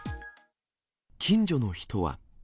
近所の人は。